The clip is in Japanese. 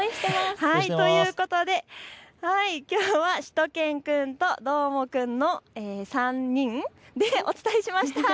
ということできょうはしゅと犬くんとどーもくんの３人でお伝えしました。